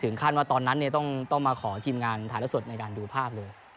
ขั้นว่าตอนนั้นต้องมาขอทีมงานถ่ายละสดในการดูภาพเลย